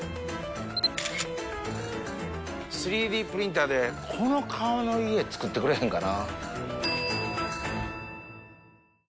３Ｄプリンターでこの顔の家造ってくれへんかな？